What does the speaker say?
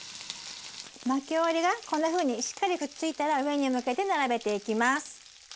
巻き終わりがこんなふうにしっかりくっついたら上に向けて並べていきます。